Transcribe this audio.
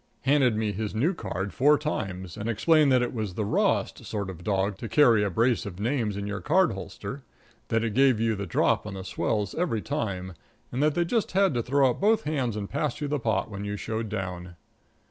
Handed me his new card four times and explained that it was the rawest sort of dog to carry a brace of names in your card holster; that it gave you the drop on the swells every time, and that they just had to throw up both hands and pass you the pot when you showed down.